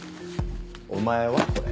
お前はこれ。